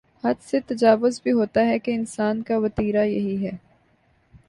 حد سے تجاوز بھی ہوتا ہے کہ انسان کا وتیرہ یہی ہے۔